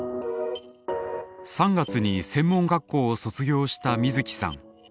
３月に専門学校を卒業したミヅキさん。